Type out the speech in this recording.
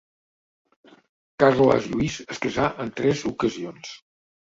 Carles Lluís es casà en tres ocasions.